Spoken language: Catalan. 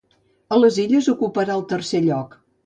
A les Illes, ocuparà el tercer lloc.